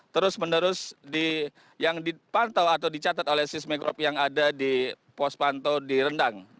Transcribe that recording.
terus menerus yang dipantau atau dicatat oleh seismigrope yang ada di pos pantau di rendang